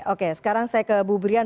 oke sekarang saya ke bu brian